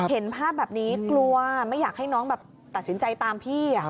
เห็นภาพแบบนี้กลัวไม่อยากให้น้องแบบตัดสินใจตามพี่